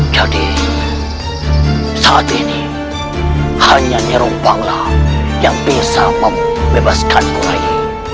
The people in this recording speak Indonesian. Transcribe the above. jadi saat ini hanya nyarung panglang yang bisa membebaskanku rai